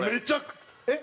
えっ！